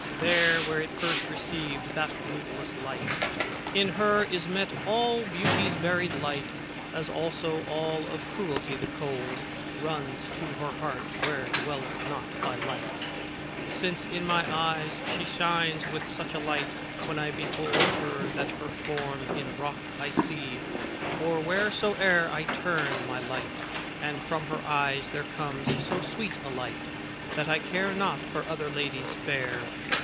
There, where it first received that ruthless light. In her is met all beauty's varied light, As also of all cruelty the cold Runs to her heart, where dwelleth not thy light; Since in my eyes she shines with such a light. When I behold her, that her form in rock I see, or wheresoe'er I turn my light. And from her eyes there comes so sweet a light. That I care not for other ladies fair.